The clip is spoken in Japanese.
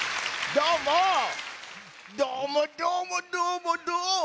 どーもどーもどーもどーも！